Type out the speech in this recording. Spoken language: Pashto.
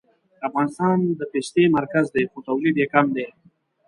افغانستان د پستې مرکز دی خو تولید یې کم دی